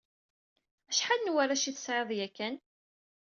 Acḥal n warrac ay tesɛiḍ yakan?